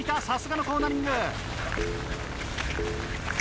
さすがのコーナリング。